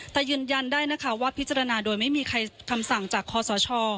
แต่ยืนยันได้นะคะว่าพิจารณาโดยไม่มีใครคำสั่งจากคอสช